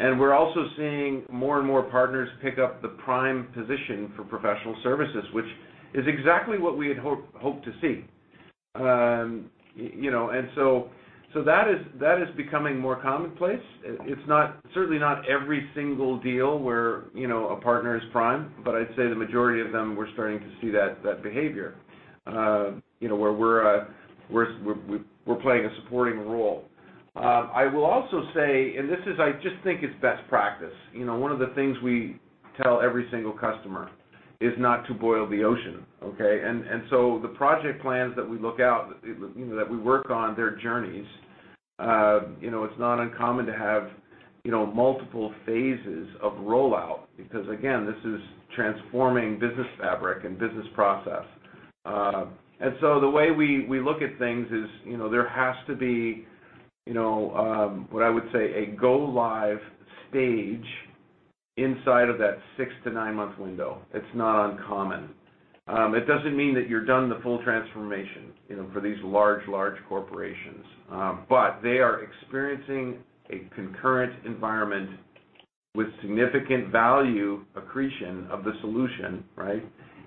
We're also seeing more and more partners pick up the prime position for professional services, which is exactly what we had hoped to see. That is becoming more commonplace. It's certainly not every single deal where a partner is prime, but I'd say the majority of them, we're starting to see that behavior, where we're playing a supporting role. I will also say, and this is, I just think it's best practice. One of the things we tell every single customer is not to boil the ocean, okay? The project plans that we look out, that we work on their journeys, it's not uncommon to have multiple phases of rollout because, again, this is transforming business fabric and business process. The way we look at things is, there has to be what I would say, a go live stage inside of that six to nine-month window. It's not uncommon. It doesn't mean that you're done the full transformation for these large corporations. They are experiencing a concurrent environment with significant value accretion of the solution,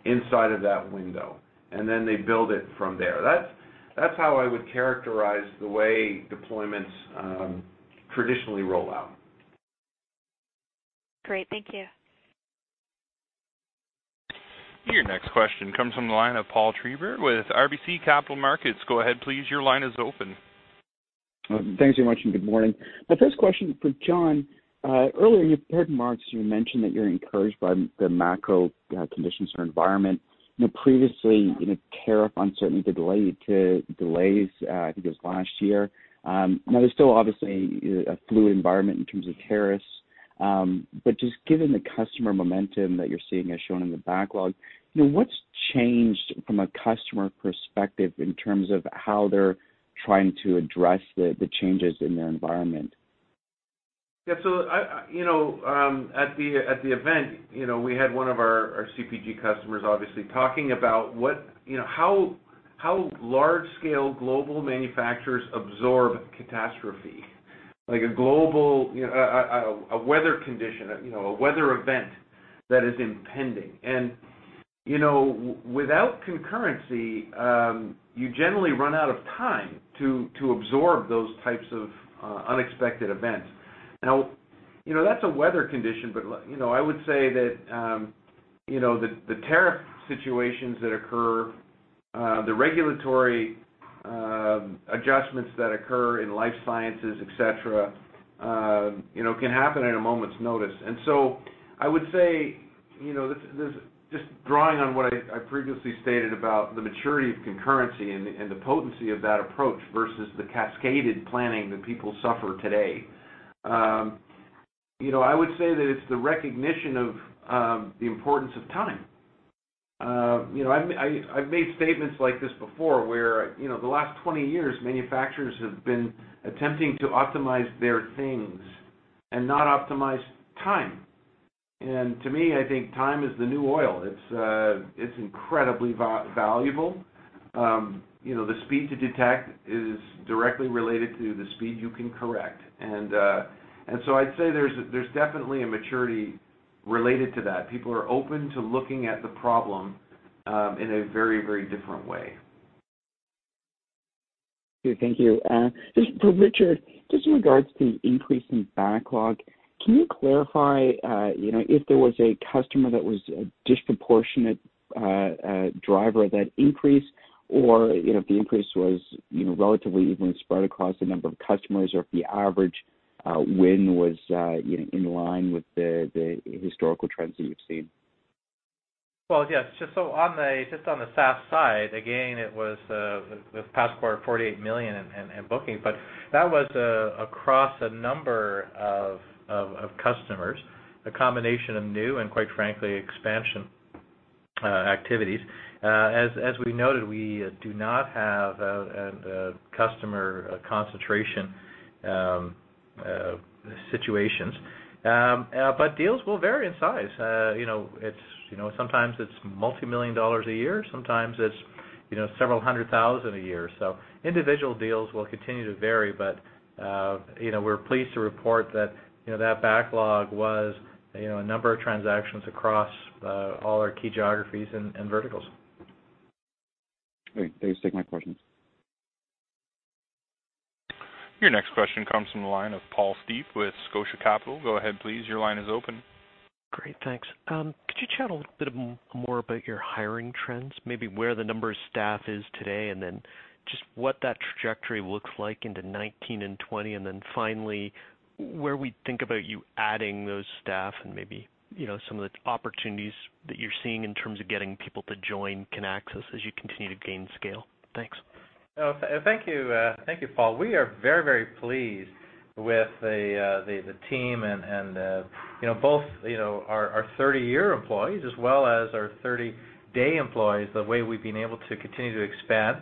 inside of that window. They build it from there. That's how I would characterize the way deployments traditionally roll out. Great. Thank you. Your next question comes from the line of Paul Treiber with RBC Capital Markets. Go ahead, please. Your line is open. Thanks very much. Good morning. My first question is for John. Earlier, you heard Mark mention that you're encouraged by the macro conditions or environment. Previously, tariff uncertainty delayed to delays, I think it was last year. Now there's still obviously a fluid environment in terms of tariffs. Just given the customer momentum that you're seeing as shown in the backlog, what's changed from a customer perspective in terms of how they're trying to address the changes in their environment? At the event, we had one of our CPG customers, obviously, talking about how large-scale global manufacturers absorb catastrophe, like a weather event that is impending. Without concurrency, you generally run out of time to absorb those types of unexpected events. Now, that's a weather condition, but I would say that the tariff situations that occur, the regulatory adjustments that occur in life sciences, et cetera, can happen at a moment's notice. I would say, just drawing on what I previously stated about the maturity of concurrency and the potency of that approach versus the cascaded planning that people suffer today, I would say that it's the recognition of the importance of time. I've made statements like this before where, the last 20 years, manufacturers have been attempting to optimize their things and not optimize time. To me, I think time is the new oil. It's incredibly valuable. The speed to detect is directly related to the speed you can correct. I'd say there's definitely a maturity related to that. People are open to looking at the problem in a very different way. Okay. Thank you. For Richard, just in regards to increase in backlog, can you clarify if there was a customer that was a disproportionate driver of that increase or if the increase was relatively evenly spread across the number of customers or if the average win was in line with the historical trends that you've seen? Well, yes. Just on the SaaS side, again, it was the past quarter, $48 million in booking. That was across a number of customers, a combination of new and quite frankly, expansion activities. As we noted, we do not have customer concentration situations. Deals will vary in size. Sometimes it's multimillion USD a year, sometimes it's several hundred thousand USD a year. Individual deals will continue to vary, but we're pleased to report that backlog was a number of transactions across all our key geographies and verticals. Great. Thanks. Take my questions. Your next question comes from the line of Paul Steep with Scotia Capital. Go ahead, please. Your line is open. Great. Thanks. Could you chat a little bit more about your hiring trends, maybe where the number of staff is today, and then just what that trajectory looks like into 2019 and 2020, and then finally, where we think about you adding those staff and maybe some of the opportunities that you're seeing in terms of getting people to join Kinaxis as you continue to gain scale? Thanks. Thank you, Paul. We are very pleased with the team and both our 30-year employees as well as our 30-day employees, the way we've been able to continue to expand.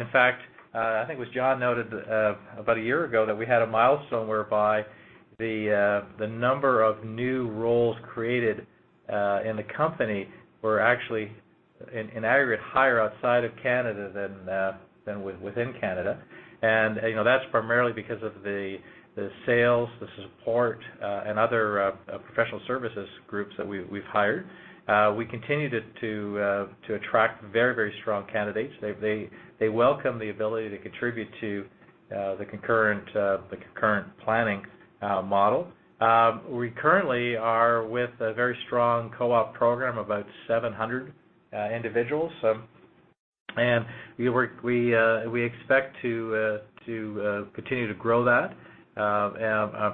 In fact, I think it was John noted about a year ago that we had a milestone whereby the number of new roles created in the company were actually in aggregate higher outside of Canada than within Canada. That's primarily because of the sales, the support, and other professional services groups that we've hired. We continue to attract very strong candidates. They welcome the ability to contribute to the concurrent planning model. We currently are with a very strong co-op program, about 700 individuals. We expect to continue to grow that,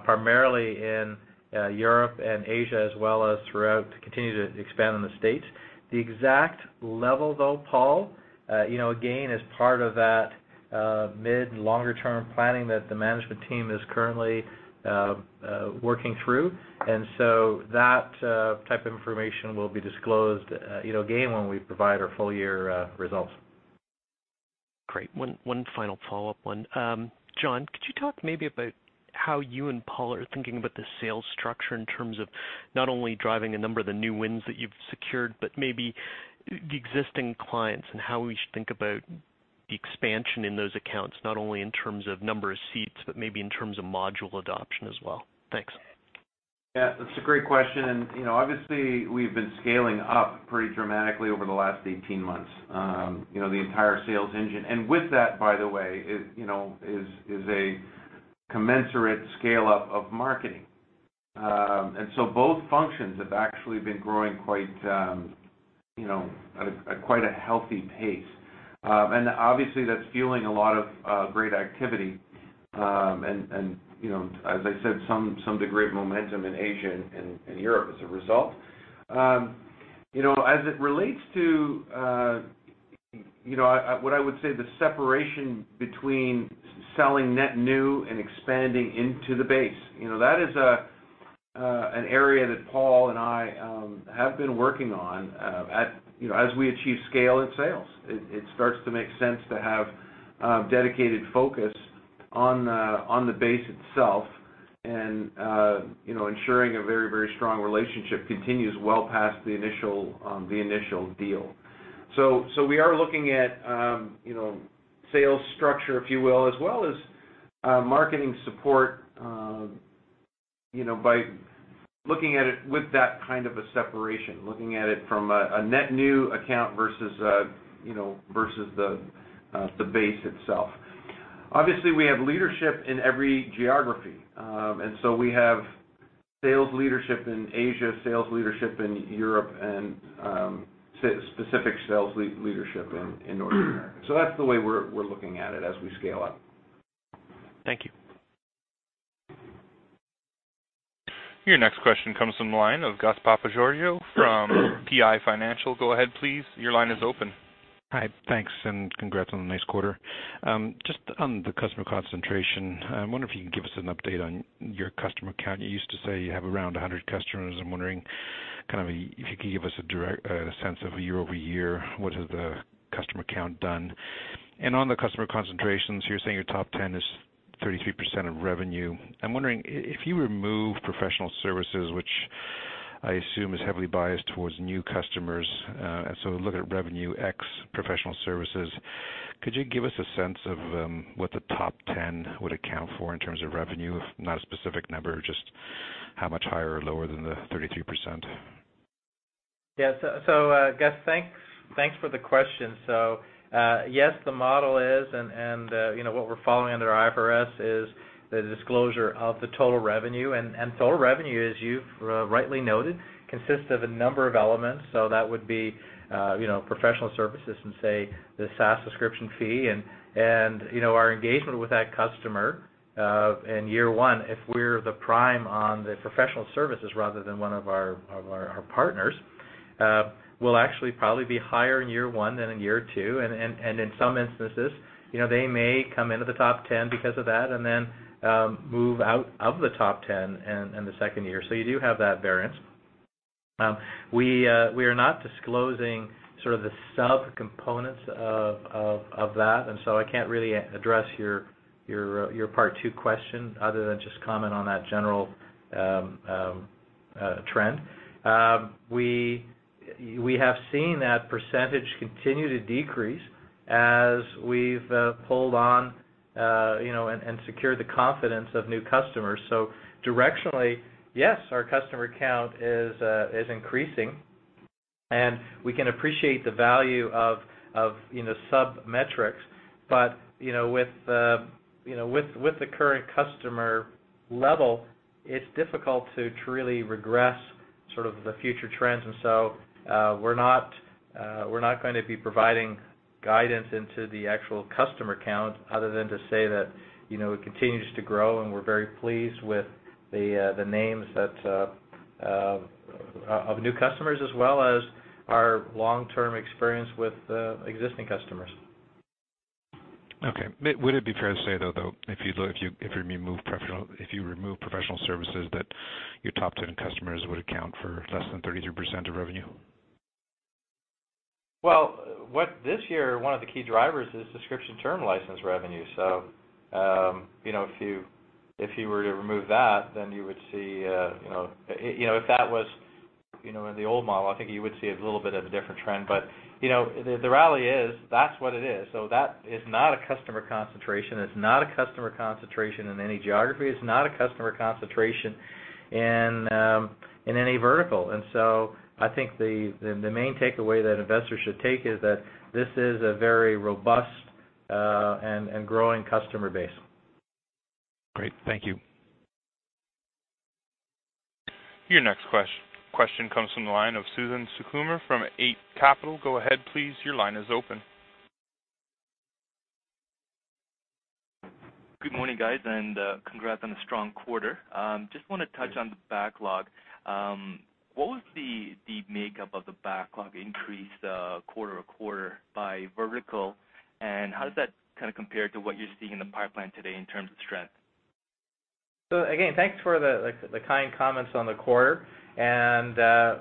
primarily in Europe and Asia, as well as throughout to continue to expand in the States. The exact level, though, Paul, again, is part of that mid and longer-term planning that the management team is currently working through. That type of information will be disclosed, again, when we provide our full-year results. Great. One final follow-up one. John, could you talk maybe about how you and Paul are thinking about the sales structure in terms of not only driving a number of the new wins that you've secured, but maybe the existing clients and how we should think about the expansion in those accounts, not only in terms of number of seats, but maybe in terms of module adoption as well. Thanks. Yeah, that's a great question. Obviously, we've been scaling up pretty dramatically over the last 18 months, the entire sales engine. With that, by the way, is a commensurate scale-up of marketing. Both functions have actually been growing at quite a healthy pace. Obviously, that's fueling a lot of great activity, and as I said, some degree of momentum in Asia and Europe as a result. As it relates to what I would say the separation between selling net new and expanding into the base. That is an area that Paul and I have been working on as we achieve scale in sales. It starts to make sense to have dedicated focus on the base itself and ensuring a very strong relationship continues well past the initial deal. We are looking at sales structure, if you will, as well as marketing support, by looking at it with that kind of a separation, looking at it from a net new account versus the base itself. Obviously, we have leadership in every geography. We have sales leadership in Asia, sales leadership in Europe, and specific sales leadership in North America. That's the way we're looking at it as we scale up. Thank you. Your next question comes from the line of Gus Papageorgiou from PI Financial. Go ahead, please. Your line is open. Hi. Thanks, and congrats on a nice quarter. Just on the customer concentration, I wonder if you can give us an update on your customer count. You used to say you have around 100 customers. I'm wondering if you could give us a sense of year-over-year, what has the customer count done? On the customer concentrations, you're saying your top 10 is 33% of revenue. I'm wondering, if you remove professional services, which I assume is heavily biased towards new customers, look at revenue ex-professional services, could you give us a sense of what the top 10 would account for in terms of revenue? Not a specific number, just how much higher or lower than the 33%? Gus, thanks for the question. Yes, the model is, and what we're following under IFRS is the disclosure of the total revenue. Total revenue, as you've rightly noted, consists of a number of elements. That would be professional services and, say, the SaaS subscription fee. Our engagement with that customer in year 1, if we're the prime on the professional services rather than one of our partners, will actually probably be higher in year 1 than in year 2. In some instances, they may come into the top 10 because of that and then move out of the top 10 in the second year. You do have that variance. We are not disclosing the sub-components of that, and so I can't really address your part 2 question, other than just comment on that general trend. We have seen that percentage continue to decrease as we've pulled on and secured the confidence of new customers. Directionally, yes, our customer count is increasing, and we can appreciate the value of sub-metrics. With the current customer level, it's difficult to really regress the future trends. We're not going to be providing guidance into the actual customer count other than to say that it continues to grow, and we're very pleased with the names of new customers, as well as our long-term experience with existing customers. Okay. Would it be fair to say, though, if you remove professional services, that your top 10 customers would account for less than 33% of revenue? Well, this year, one of the key drivers is subscription term license revenue. If you were to remove that, if that was in the old model, I think you would see a little bit of a different trend. The reality is, that's what it is. That is not a customer concentration. It's not a customer concentration in any geography. It's not a customer concentration in any vertical. I think the main takeaway that investors should take is that this is a very robust and growing customer base. Great. Thank you. Your next question comes from the line of Suthan Sukumar from Eight Capital. Go ahead, please. Your line is open. Good morning, guys. Congrats on a strong quarter. Just want to touch on the backlog. What was the makeup of the backlog increase quarter-over-quarter by vertical, and how does that compare to what you're seeing in the pipeline today in terms of strength? Thanks for the kind comments on the quarter, and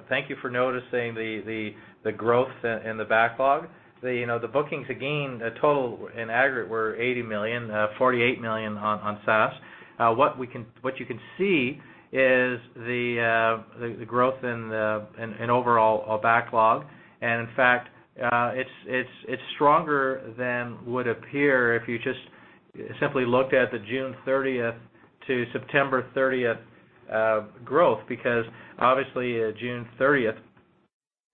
thank you for noticing the growth in the backlog. The bookings, again, total in aggregate were $80 million, $48 million on SaaS. What you can see is the growth in overall backlog. In fact, it's stronger than would appear if you just Simply looked at the June 30th to September 30th growth, because obviously June 30th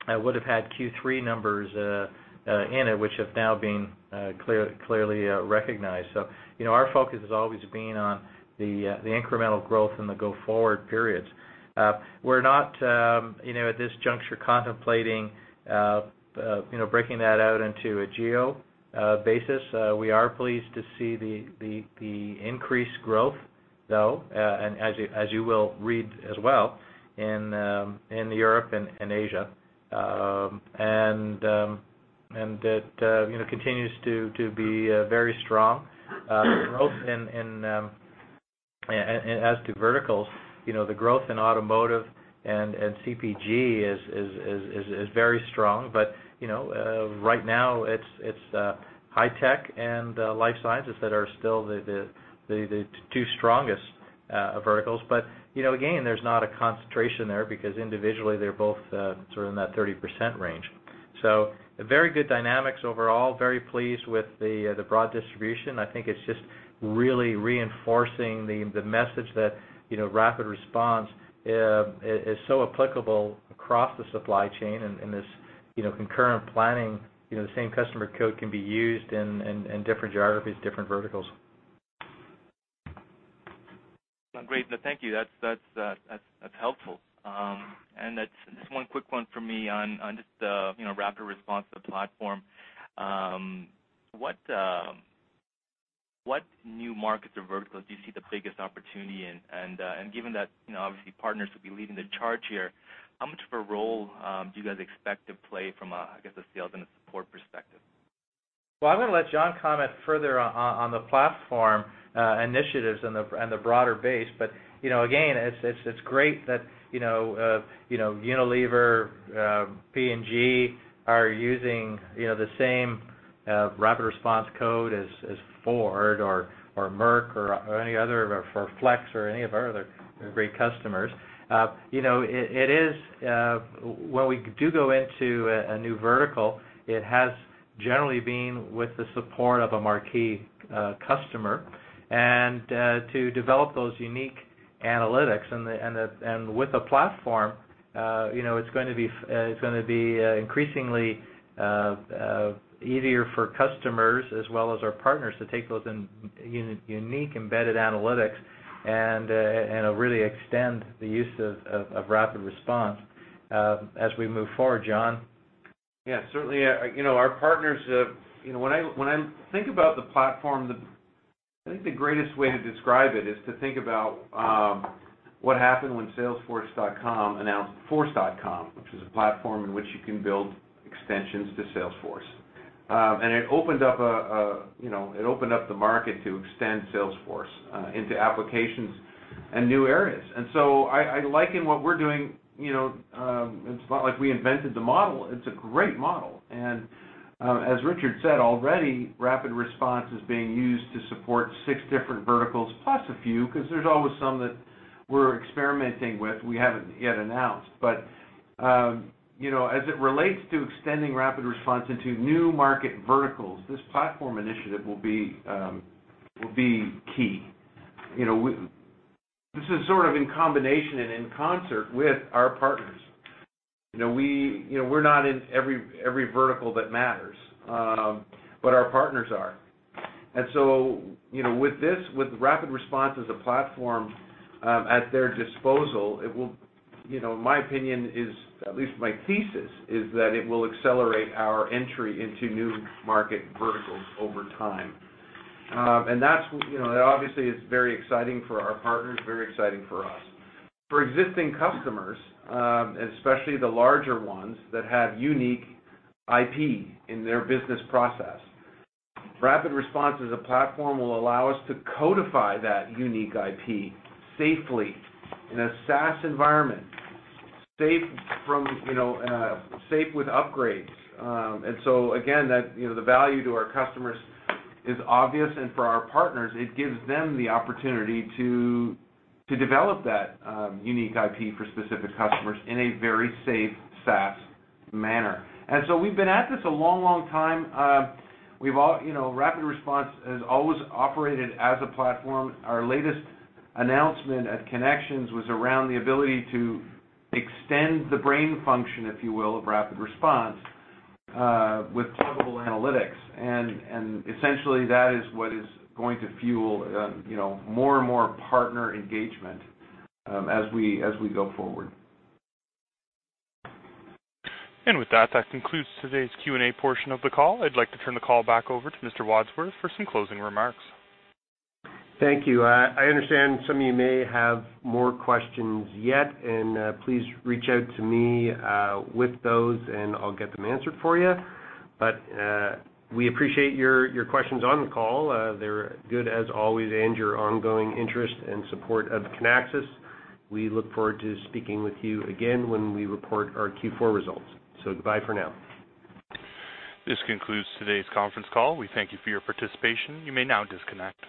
would've had Q3 numbers in it, which have now been clearly recognized. Our focus has always been on the incremental growth in the go-forward periods. We're not, at this juncture, contemplating breaking that out into a geo basis. We are pleased to see the increased growth, though, and as you will read as well, in Europe and Asia. That continues to be a very strong growth. As to verticals, the growth in automotive and CPG is very strong. Right now, it's high tech and life sciences that are still the two strongest verticals. Again, there's not a concentration there because individually, they're both sort of in that 30% range. Very good dynamics overall, very pleased with the broad distribution. I think it's just really reinforcing the message that RapidResponse is so applicable across the supply chain, and this concurrent planning, the same customer code can be used in different geographies, different verticals. Great. No, thank you. That's helpful. That's just one quick one from me on just the RapidResponse platform. What new markets or verticals do you see the biggest opportunity in? Given that, obviously, partners will be leading the charge here, how much of a role do you guys expect to play from a, I guess, a sales and a support perspective? Well, I'm going to let John comment further on the platform initiatives and the broader base. Again, it's great that Unilever, P&G are using the same RapidResponse code as Ford or Merck or any other, for Flex or any of our other great customers. When we do go into a new vertical, it has generally been with the support of a marquee customer. To develop those unique analytics, and with a platform, it's going to be increasingly easier for customers as well as our partners to take those unique embedded analytics, and it'll really extend the use of RapidResponse as we move forward. John? Yeah, certainly. When I think about the platform, I think the greatest way to describe it is to think about what happened when salesforce.com announced Force.com, which is a platform in which you can build extensions to Salesforce. It opened up the market to extend Salesforce into applications and new areas. I liken what we're doing, it's not like we invented the model. It's a great model, and, as Richard said already, RapidResponse is being used to support six different verticals, plus a few, because there's always some that we're experimenting with we haven't yet announced. As it relates to extending RapidResponse into new market verticals, this platform initiative will be key. This is sort of in combination and in concert with our partners. We're not in every vertical that matters, but our partners are. With RapidResponse as a platform at their disposal, my opinion is, at least my thesis, is that it will accelerate our entry into new market verticals over time. That obviously is very exciting for our partners, very exciting for us. For existing customers, especially the larger ones that have unique IP in their business process, RapidResponse as a platform will allow us to codify that unique IP safely in a SaaS environment, safe with upgrades. Again, the value to our customers is obvious, and for our partners, it gives them the opportunity to develop that unique IP for specific customers in a very safe SaaS manner. We've been at this a long time. RapidResponse has always operated as a platform. Our latest announcement at Kinexions was around the ability to extend the brain function, if you will, of RapidResponse, with pluggable analytics. Essentially, that is what is going to fuel more and more partner engagement as we go forward. With that concludes today's Q&A portion of the call. I'd like to turn the call back over to Mr. Wadsworth for some closing remarks. Thank you. I understand some of you may have more questions yet. Please reach out to me with those, and I'll get them answered for you. We appreciate your questions on the call. They're good as always, and your ongoing interest and support of Kinaxis. We look forward to speaking with you again when we report our Q4 results. Goodbye for now. This concludes today's conference call. We thank you for your participation. You may now disconnect.